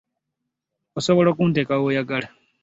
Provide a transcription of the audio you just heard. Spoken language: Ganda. Osobola okunteka woyagala.